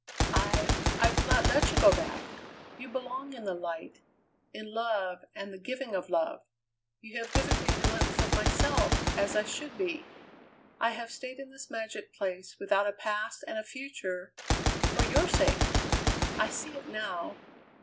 "I I will not let you go back! You belong in the light; in love and the giving of love. You have given me a glimpse of myself as I should be. I have stayed in this magic place without a past and a future for your sake! I see it now.